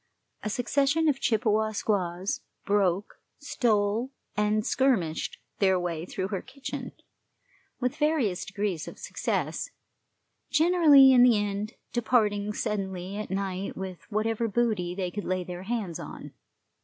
A succession of Chippewa squaws broke, stole, and skirmished their way through her kitchen, with various degrees of success, generally in the end departing suddenly at night with whatever booty they could lay their hands on.